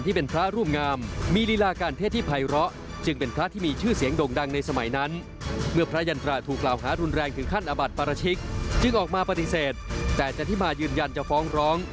แต่จันทิมายืนยันจะฟ้องร้อง